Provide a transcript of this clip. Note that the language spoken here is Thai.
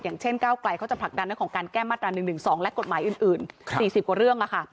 อย่างเช่นก้าวไกลเขาจะผลักดันเรื่องของการแก้มาตรา๑๑๒และกฎหมายอื่น๔๐กว่าเรื่อง